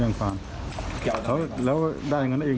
ได้รับการปล่อยตัวมาเมื่อสองสามเดือนก่อนนี้เอง